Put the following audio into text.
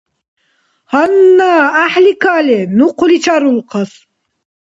Гьанна гӀяхӀли кален! Ну хъули чаррулхъас.